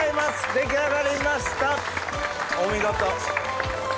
出来上がりましたお見事。